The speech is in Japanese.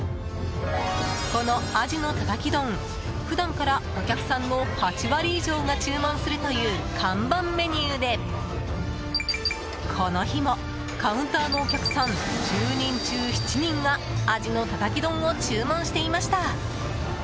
この鯵のたたき丼普段から、お客さんの８割以上が注文するという看板メニューでこの日も、カウンターのお客さん１０人中７人が鯵のたたき丼を注文していました。